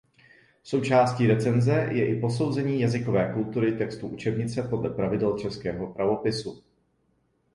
Součástí recenze je i posouzení jazykové kultury textu učebnice podle pravidel českého pravopisu.